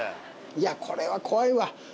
いやこれは怖いわ。